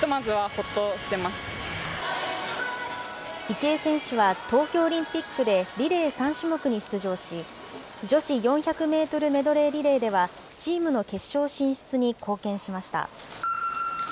池江選手は東京オリンピックでリレー３種目に出場し、女子４００メートルメドレーリレーでは、チームの決勝進出に貢献しました。